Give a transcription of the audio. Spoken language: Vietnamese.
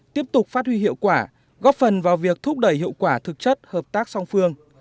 tiếp tục phát huy hiệu quả góp phần vào việc thúc đẩy hiệu quả thực chất hợp tác song phương